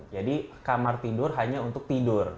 jadi kamar tidur hanya untuk tidur